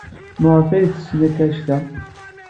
Maɣef ay ttessen akk anect-a?